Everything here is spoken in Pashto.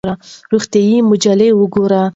روغتیایي مجلې وګورئ.